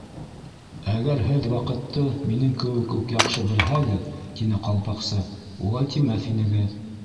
—Әгәр һеҙ ваҡытты минең кеүек үк яҡшы белһәгеҙ, —тине Ҡалпаҡсы, —улай тимәҫ инегеҙ.